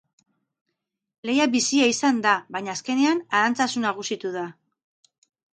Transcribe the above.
Lehia bizia izan da, baina azkenean, aranztazu nagusitu da.